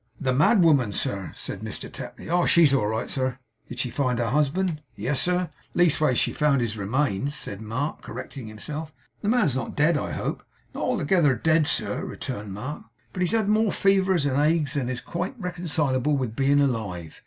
'The mad woman, sir?' said Mr Tapley. 'Oh! she's all right, sir.' 'Did she find her husband?' 'Yes, sir. Leastways she's found his remains,' said Mark, correcting himself. 'The man's not dead, I hope?' 'Not altogether dead, sir,' returned Mark; 'but he's had more fevers and agues than is quite reconcilable with being alive.